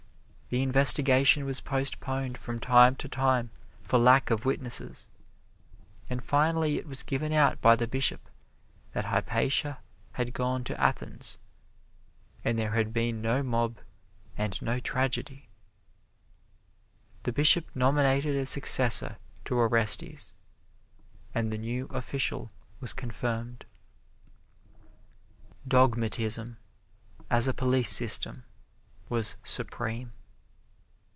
The investigation was postponed from time to time for lack of witnesses, and finally it was given out by the Bishop that Hypatia had gone to Athens, and there had been no mob and no tragedy. The Bishop nominated a successor to Orestes, and the new official was confirmed. Dogmatism as a police system was supreme.